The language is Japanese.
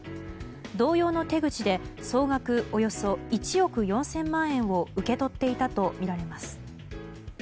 同様の手口で総額およそ１億４０００万円を受け取っていたとみられます。